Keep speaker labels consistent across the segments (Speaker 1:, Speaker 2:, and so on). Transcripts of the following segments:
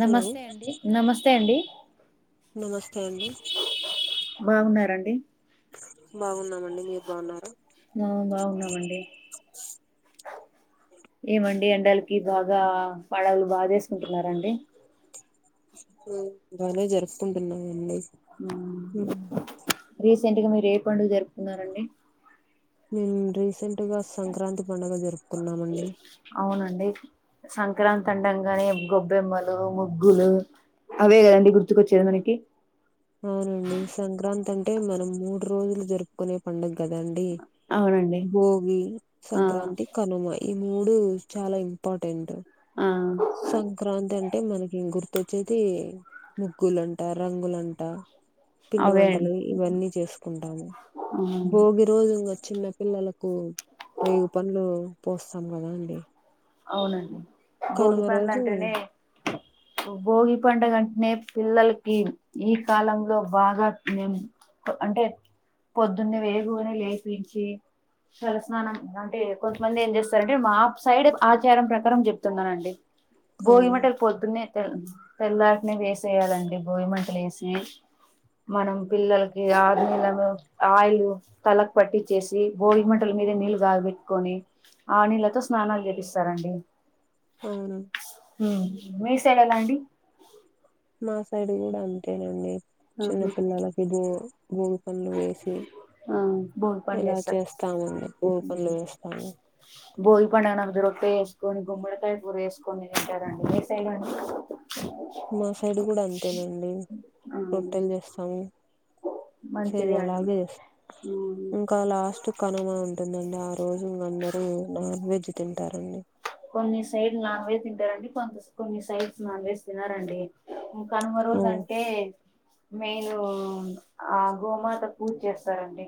Speaker 1: Hello
Speaker 2: నమస్తే అండి నమస్తే అండి
Speaker 1: నమస్తే అండి
Speaker 2: బాగున్నారండి
Speaker 1: బాగున్నామండి మీరు బాగున్నార
Speaker 2: ఆ బాగున్నామండి ఏమండి ఎండలకి బాగా పలావులు బాగా చేసుకుంటున్నారండి
Speaker 1: బాగానే జరుపుకుంటున్నామండి
Speaker 2: రీసెంట్గా మీరు ఏ పండుగ జరుపుకున్నారండి
Speaker 1: మేము రీసెంట్గా సంక్రాంతి పండుగ జరుపుకున్నామండి
Speaker 2: అవునండి సంక్రాంతి అండంగానే గొబ్బెమ్మలు ముగ్గులు అవే కదండి గుర్తుకొచ్చేది మనకి
Speaker 1: అవునండి సంక్రాంతి అంటే మనం మూడు రోజులు జరుపుకునే పండుగ కదండి
Speaker 2: అవునండి
Speaker 1: భోగి
Speaker 2: ఆ
Speaker 1: సంక్రాంతి కనుమ ఈ మూడు చాలా ఇంపార్టెంట్
Speaker 2: ఆ
Speaker 1: సంక్రాంతి అంటే అంటే మనకి గుర్తొచ్చేది ముగ్గులంట రంగులంట పిండి
Speaker 2: అవే
Speaker 1: వంటలు ఇవన్నీ చేసుకుంటాము
Speaker 2: అండి
Speaker 1: భోగి రోజు చిన్న పిల్లలకు రేగు పండ్లు పోస్తాం కదా అండి
Speaker 2: అవునండి భోగి
Speaker 1: కనుమ రోజు
Speaker 2: పండంటేనే భోగి పండుగ అంటేనే పిల్లలకి ఈ కాలంలో బాగా మేము అంటే పొద్దున్నే వేగువనే లేపించి తలస్నానం అంటే కొంతమంది ఏం చేస్తారంటే మా సైడ్ ఆచారం ప్రకారం చెప్తున్నానండి భోగి
Speaker 1: అవును
Speaker 2: మంటలు పొద్దున్నే తెల్లటినే వేసేయాలండి భోగి మంటలు వేసి మనం పిల్లలకి ఆరు నలను ఆయిల్ తలలకు పట్టిచ్చేసి భోగి మంటలు మీద నీళ్ళు గబెట్టుకొని ఆ నీళ్ళతో స్నానాలు చేపిస్తారండి.
Speaker 1: అవును
Speaker 2: ఉమ్ మీసైడ్ ఎలా అండి
Speaker 1: మా సైడ్ కూడా అంతేనండి చిన్న
Speaker 2: ఆహా
Speaker 1: పిల్లలకి భో భోగి పండ్లు వేసి
Speaker 2: ఆ భోగి పనులు
Speaker 1: ఇలా
Speaker 2: చేస్తారు
Speaker 1: చేస్తామండి ఊబులు పనులు వేస్తాము
Speaker 2: భోగి పండుగనాడు రొట్టె ఏసుకొని గుమ్మడికాయ కూర ఏసుకొని తింటారండి మీ సైడ్ అండి
Speaker 1: మా సైడ్ కూడా అంతేనండి
Speaker 2: ఆ
Speaker 1: రొట్టెలు చేస్తాము సేమ్
Speaker 2: మంచిది అండి
Speaker 1: అలాగే
Speaker 2: ఆ
Speaker 1: ఇంకా లాస్ట్ కనుమా ఉంటంది డన్నండీ ఆ రోజు అందరూ నాన్ వెజ్ తింటారండి
Speaker 2: కొన్ని సైడ్ నాన్ వెజ్ తింటారండి కొంత కొన్ని సైడ్స్ నాన్ వెజ్ తినరండి కనుమ రోజు
Speaker 1: అవును
Speaker 2: అంటే మేను ఆ గోమాత పూజ చేస్తారండి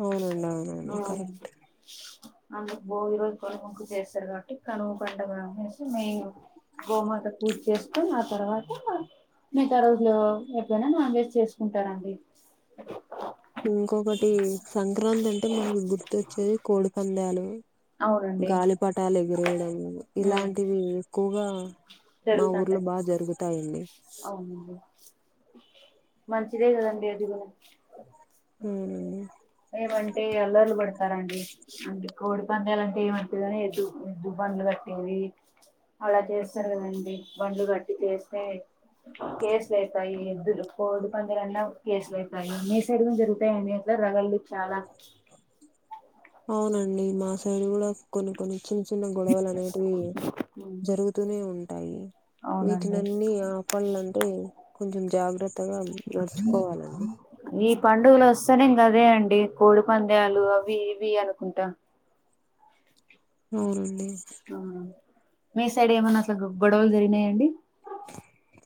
Speaker 1: అవునండి అవును కరెక్ట్
Speaker 2: అందుకు భోగి రోజు తొలిమొక్కు చేస్తారు కాబట్టి కనువ పండుగ అనేసి మేను గోమాత పూజ చేస్తూ తర్వాత మిగతా రోజులు ఎప్పుడైనా నాన్ వెజ్ చేసుకుంటారండి
Speaker 1: ఇంకొకటి సంక్రాంతి అంటే మనకి గుర్తుచ్చేది కోడి పందాలు
Speaker 2: అవునండి
Speaker 1: గాలి పటాలు ఏగిరేయడం ఇలాంటివి ఎక్కువగా మా ఊర్లో
Speaker 2: జరుగుతుంటాయి
Speaker 1: బాగా జరుగుతయండి.
Speaker 2: అవునండి మంచిదే కదండి అది కూడా
Speaker 1: అవునండి
Speaker 2: ఏమంటే అల్లర్లు పడ తరండి అంటే కోడి పందాలంటే ఏమైతదిగని ఎద్దు ఎద్దు బండ్లు కట్టేవి అలా చేస్తారు కదండి బండ్లు కట్టి చేస్తే కేసులువుతాయి ఎద్దులు కోడు పందలల్ల కేసులులయితాయి మీ సైడ్ జరుగుతాయండి ఎలా? రగల్దు చాలా
Speaker 1: అవునండి మాసైడ్ కూడా కొన్ని కొన్ని చిన్న చిన్న గొడవలు అనేటివి జరుగుతూనే ఉన్ టాయి
Speaker 2: అవునండి
Speaker 1: వీటినన్ని ఆపల్ అంటే కొంచెం జాగ్రత్త జాగ్రత్తగా నడుచుకోవాలండి
Speaker 2: ఈ పండుగలు వస్తానే ఇంకా అదే అండి కోడి పంద్యాలు అవి ఇవి అనుకుంటా
Speaker 1: అవునండి
Speaker 2: ఆ మీ సైడ్ ఏమన్నా అసలు గా గొడవలు జరిగినాయండి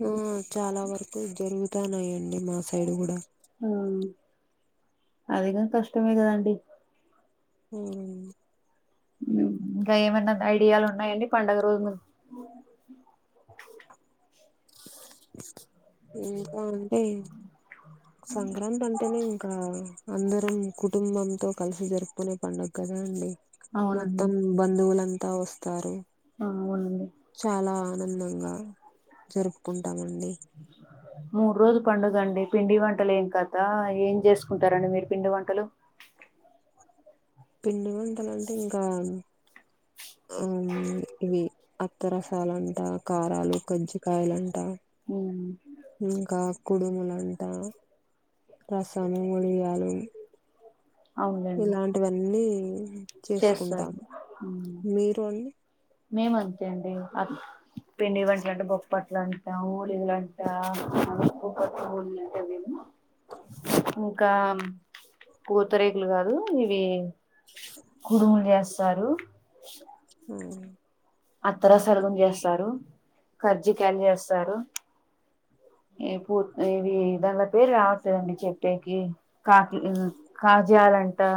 Speaker 1: ఆ చాలా వరకు జరుగుతాన్నాయండి మా సైడ్ కూడా
Speaker 2: ఆ అధికం కష్టమేకదండి
Speaker 1: హ
Speaker 2: ఇంకా ఏమన్న ఐడియాలు ఉన్నాయండి పండుగ రోజు ము
Speaker 1: ఇంకా అంటే సంక్రాంతి అంటేనే ఇంకా అందరం కుటుంబంతో కలిసి జరుపుకునే పండుగ కదా అండి
Speaker 2: అవునండి
Speaker 1: మొత్తం బంధువులంతా వస్తారు.
Speaker 2: ఆ, అవునండి
Speaker 1: చాలా ఆనందంగా జరుపుకుంటామండి
Speaker 2: మూడు రోజు పండుగండి పిండి వంట్ వంటలేం కథ ఏం చేసుకుంటారండి మీరు పిండి వంటలు
Speaker 1: పిండి వంటాలంటే ఇంకా ఆ ఇవి అత్తరసాలుంట కారాలు కజ్జికయలు
Speaker 2: ఉమ్,
Speaker 1: ఇంకా కుడుములంట రసాము ఉడియాలు
Speaker 2: అవునులేండి
Speaker 1: ఇలాంటివన్నీ
Speaker 2: చేస్తారు
Speaker 1: చేసుకుంటాము
Speaker 2: ఉమ్,
Speaker 1: మీరు అండి
Speaker 2: మేము అంతే అండి అ పిండి వంటలుంటే బొప్పట్లంట ఊలిలంట ఇంకా పూతరేకులు గాదు ఇవి కుడుములు జేస్తారు
Speaker 1: హ్మ్
Speaker 2: అత్తర సర్గం జేస్తారు కర్జకాయలు జేస్తారు పూ ఇవి దాని పేరు రావట్లేదండి చెప్పేకి కాకి కాజా అంటా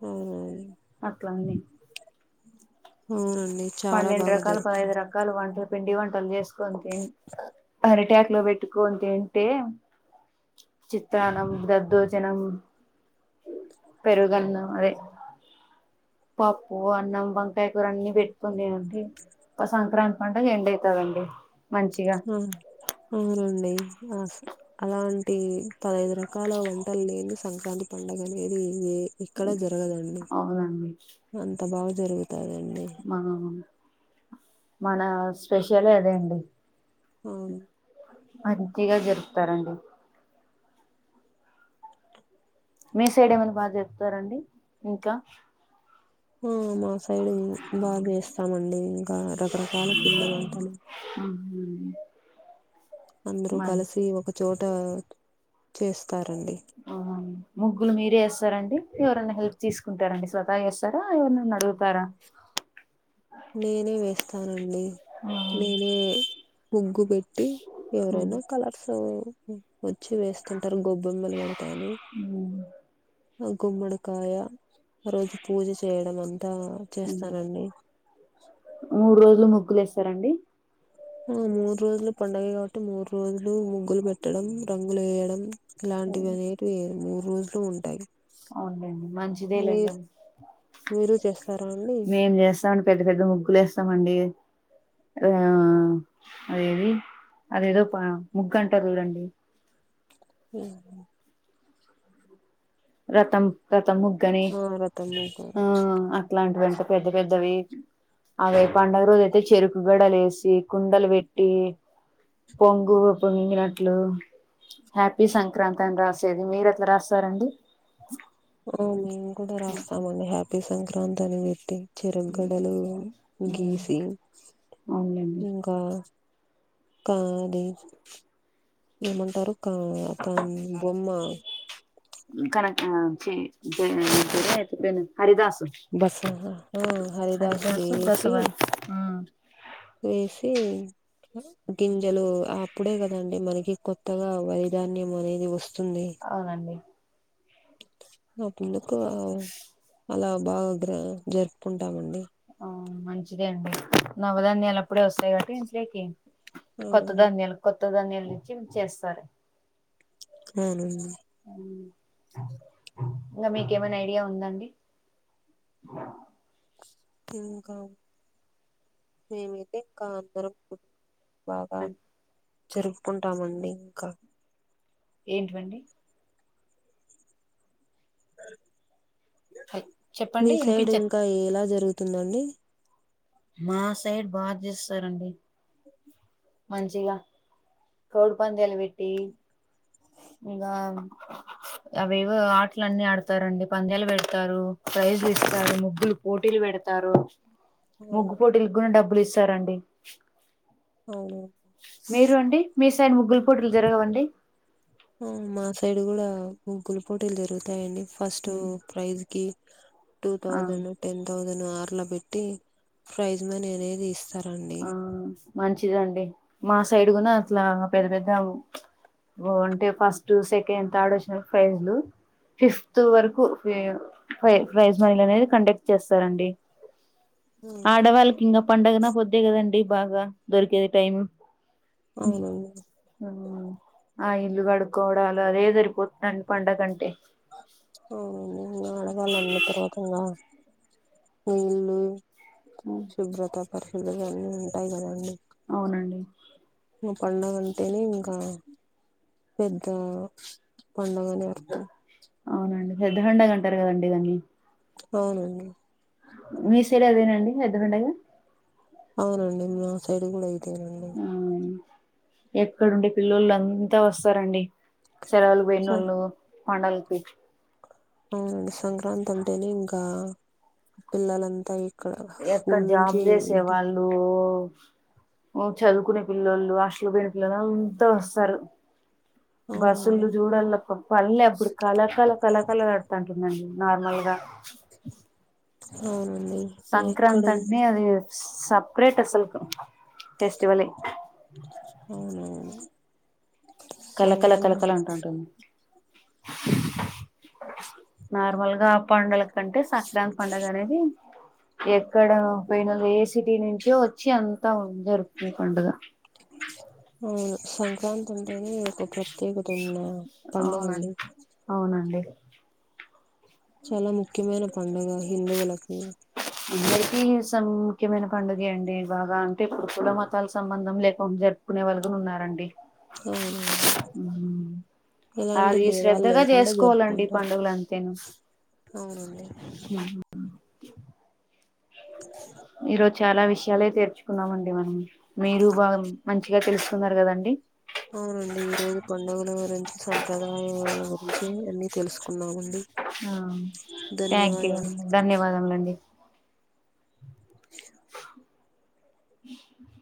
Speaker 1: హ్మ్
Speaker 2: అట్లన్ని
Speaker 1: అవునండి చాలా
Speaker 2: పన్నెండు
Speaker 1: బాగా
Speaker 2: రకాలు పదహైదు
Speaker 1: జరుపుకుంటాం
Speaker 2: రకాలు వంటలు పిండి వంటలు జేసుకొని తిని అరిటాకు లో పెట్టుకొని తింటే చిత్రాన్నం దద్దోజనం పెరుగన్నం అదే పప్పు అన్నం వంకాయ కూర అన్ని పెట్ కొనేయండి ఒక సంక్రాంతి పండుగ ఎండ్ అయితదండి మంచిగా
Speaker 1: హ్మ్ అవునండి ఆ అలాంటి పదహైదు రకాల వంటలు లేనిది సంక్రాంతి పండగ అనేది ఇక్కడ జరగదండి
Speaker 2: అవునండి
Speaker 1: అంత బాగా జరుగుతాదండి
Speaker 2: మా మన స్పెషలే అదే అండి
Speaker 1: అవును
Speaker 2: మంచిగా జరుపుతారండి మీ సైడ్ ఏమన్నా బాగా జరుపుతారండి ఇంకా
Speaker 1: హ్మ్ మా సైడ్ బాగా చేస్తామండి ఇంకా రకరకాల పిండి వంటలు
Speaker 2: హ్మ్
Speaker 1: అందరూ కలిసి ఒక చోట చేస్
Speaker 2: ఆ ముగ్గులు మీరే యేస్తారండి ఎవరన్నా హెల్ప్ తీసుకుంటారండి స్వతాగేస్తారా ఎవరనన్న అడుగుతారా
Speaker 1: నేనే వేస్తానండి నేనే ముగ్గు బె ట్టి ఎవరైనా కలర్స్ వచ్చి వేస్తుంటారు గొబ్బెమ్మలు పెడతాను ఆ గుమ్మడికాయ ఆ రోజు పూజ చేయడం అం తా చేస్తానండి
Speaker 2: మూడు రోజులు ముగ్గులు వేస్తారండి
Speaker 1: ఆ మూడు రోజులు పండగే కాబట్టి మూడు రోజులు ము గ్గులు పెట్టడం రంగులు వేయడం ఇలాంటివి అనేటివి మూడు రోజులు ఉంటాయి
Speaker 2: అవునండి మంచిదే లేండి
Speaker 1: మీరు మీరు చేస్తారా అండి
Speaker 2: మేం జేస్తామండి పెద్ద పెద్ద ముగ్గులు వేస్తామండి ఆ అదేది అదేదో పా ముగ్గుంట అంటారు చూడండి
Speaker 1: హు
Speaker 2: రతం రతం ముగ్గని
Speaker 1: ఆ రతం ముగ్గులు
Speaker 2: ఆ అట్లాంటివం పెద్ద పెద్దవి అదే పండుగ రోజైతే చెరుకుగడలు ఏసి కుండలు పెట్టి పొంగు పొంగినట్లు హ్యాపీ సంక్రాంతి అని రాసేది మీరు ఎట్లా రాస్తారండి?
Speaker 1: ఆ మేము గూడా రాస్తామండి హ్యాపీ సంక్రాంతి అని బెట్టి చెరుకుగడలు గీసి
Speaker 2: అవునులేండి
Speaker 1: ఇంకా కా అది ఏమంటారు కా తాన్ బొమ్మ
Speaker 2: కరక్ ఆ [unintelligible] హరిదాసు
Speaker 1: బస ఆ హరిదాస్
Speaker 2: హరిదాసు బసవా ఆ
Speaker 1: ఏసి గింజలు అప్పుడే కదండి మనకి కొత్తగా వైధాన్యం అనేది వస్
Speaker 2: అవునండి
Speaker 1: ఆ పండుగా అలా బాగా గ్రా జరుపుకుంటామండి.
Speaker 2: ఆ మంచిదే అండి నవధాన్యాలప్పుడే వస్తాయి కాబట్టి ఇంట్లేకి కొత్త
Speaker 1: అవునండి
Speaker 2: ధాన్యాలు కొత్త ధాన్యాలు నుంచి చేస్తారు.
Speaker 1: అవునండి
Speaker 2: ఇంగ మీకేమైనా ఐడియా ఉందా అండి?
Speaker 1: ఇంకా మేమైతే కాకర పు బాగా జరుపుకుంటామండి ఇంకా
Speaker 2: ఏంటివండి
Speaker 1: మీ
Speaker 2: చెప్పండి
Speaker 1: సైడు
Speaker 2: వినిపించట్లే
Speaker 1: ఇంకా ఎలా జరుగుతుందండి.
Speaker 2: మా సైడ్ బాగ చేస్సరండి మంచిగా కోడి పందెలు పెట్టి ఇగ అవేవో ఆటలు అన్ని ఆడతారండి పందాలు పెడతారు ప్రైజ్లు ఇస్తారు ముగ్గులు పోటీలు పెడతారు
Speaker 1: అవును
Speaker 2: ముగ్గుపోటీలు గున్ డబ్బులు ఇస్తారండి
Speaker 1: అవునా?
Speaker 2: మీరు అండి మీ సైడ్ ముగ్గుల్ పోటీలు జరగవా అండి?
Speaker 1: ఆ మా సైడ్ కూడా ముగ్గుల పోటీలు జరుగుతాయండి ఫస్ట్ ప్రైజ్ కి టూ
Speaker 2: ఆ
Speaker 1: థౌసండ్ టెన్ థౌసండ్ ఆర్లా పెట్టి ప్రైజ్ మనీ అనేది ఇస్
Speaker 2: ఆ మంచిదండి మా సైడ్ గూనా అట్లా పెద్ద పెద్ద ఓ అంటే ఫస్టు, సెకండ్, థార్డ్ వచ్చిన ప్రైజ్లు ఫిఫ్త్ వరకు ఫై ప్రైజ్ మనీ లనేది కండెక్ట్ చేస్తారండి ఆడవాళ్ళకి ఇంకా పండగ నా పొద్దె కదండి బాగా దొరికేది టైము
Speaker 1: అవునవును
Speaker 2: ఆ ఇల్లు కడుక్కోవడాలు అదే సరిపోతుంద్ పండగంటే
Speaker 1: అవునండి ఇంగ ఆడవాళ్ళ అన్న తర్వాత ఇంగ నీళ్ళు, శుభ్రత పరిస్థితులు అన్నీ ఉంటాయ్ కదండి
Speaker 2: అవునండి
Speaker 1: ఉమ్ పండగ అంటేనే ఇంకా పెద్ద పండగ అని అర్థం
Speaker 2: అవునండి పెద్ద పండగ అంటారు కదండి దాన్ని
Speaker 1: అవునండి
Speaker 2: మీ సైడ్ అదేనా అండి పెద్ద పండగ
Speaker 1: అవునండి మా సైడ్ కూడా ఇదేనండి
Speaker 2: అవునండి ఎక్కడుండే పిల్లలు అంతా వస్తారండి సెలవులుకు
Speaker 1: స
Speaker 2: పోయినోళ్ళు పండగలకి
Speaker 1: అవునుండి సంక్రాంతి అంటేనే ఇంకా పిల్లల అంతా
Speaker 2: ఎక్కడ జాబ్ చేసే వాళ్ళు ఓ చదువుకునే పిల్లోల్లు హాస్టల్ పోయిన పిలగాన్లు అంతా వస్తారు
Speaker 1: అవునండి
Speaker 2: బస్సులు చూడాలక్క పల్లె అప్పుడు కళకల కళకళ ఆడుతునై నండీ నార్మల్గా
Speaker 1: అవును
Speaker 2: సంక్రాంతి అంటేనే అది సప్రేట్ అసలుకు ఫెస్టివలే
Speaker 1: అవునవును
Speaker 2: కళ కళ కళ
Speaker 1: సంక్రాంతి
Speaker 2: కళ అంటుంటుంది నార్మల్గా ఆ పండు ఏంటంటే సంక్రాంతి పండగ అనేది ఎక్కడ పోయిన ఏ సిటీ నుంచో వచ్చి అంతా ఉంది జరుపుకునే పండగ
Speaker 1: అవును సంక్రాంతి అంటేనే ఒక ప్రత్యేక
Speaker 2: అవునండి అవునండి
Speaker 1: చాలా ముఖ్యమైన పండుగ హిందువులకి
Speaker 2: అందరికీ సన్ ముఖ్యమైన పండుగే అండి బాగా అంటే ఇప్పుడు కుల మతాలు సంబంధం లేకుండా జరు పుకునే వాళ్లు కూడ ఉన్నారండి
Speaker 1: అవునండి
Speaker 2: మ్
Speaker 1: ఎలాంటి
Speaker 2: అది
Speaker 1: భేదాలు
Speaker 2: శ్రద్ధగా
Speaker 1: లేకుండా
Speaker 2: చేసుకోవాలండి
Speaker 1: జరుపుకుంటారు
Speaker 2: పండుగలు అంటేను
Speaker 1: అవునండి
Speaker 2: ఈరోజు చాలా విషయాలే తెర్చుకున్నామండి మనం మీరు బాగా మంచిగా తెలుసుకున్నారు కదండి
Speaker 1: అవునండి ఈ రోజు పండుగల గురించి సంప్రదాయల గురించి అన్నీ తెలుసుకున్నామండి
Speaker 2: ఆ థాంక్యూ
Speaker 1: ధన్యవాదాలు
Speaker 2: అండి ధన్యవాదములండి